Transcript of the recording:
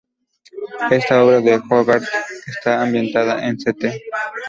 Esta obra de Hogarth está ambientada en St.